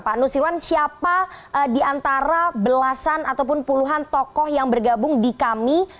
pak nusirwan siapa di antara belasan ataupun puluhan tokoh yang bergabung di kami